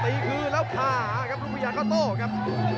พาท่านผู้ชมกลับติดตามความมันกันต่อครับ